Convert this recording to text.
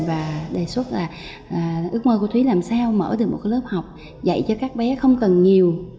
và đề xuất là ước mơ của thúy làm sao mở được một lớp học dạy cho các bé không cần nhiều